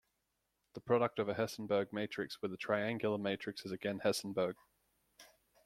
The product of a Hessenberg matrix with a triangular matrix is again Hessenberg.